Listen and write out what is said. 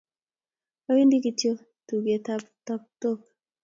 Awendi ktyo tuket ab taptok